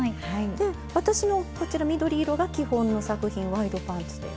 で私のこちら緑色が基本の作品ワイドパンツで。